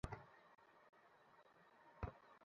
আমি এখানে ছিলাম, তারপরও বিশ্বাস করতে পারছি না!